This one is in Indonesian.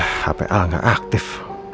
hp al gak aktif